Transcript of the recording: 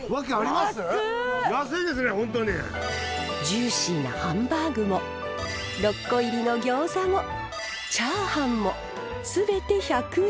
ジューシーなハンバーグも６個入りのギョーザもチャーハンも全て１００円。